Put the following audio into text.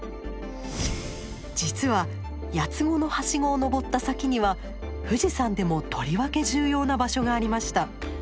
実は八子の梯子をのぼった先には富士山でもとりわけ重要な場所がありました。